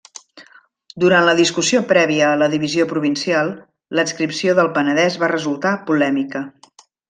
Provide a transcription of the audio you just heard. Durant la discussió prèvia a la divisió provincial, l'adscripció del Penedès va resultar polèmica.